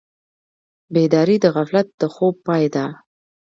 بیداري د غفلت د خوب پای ده.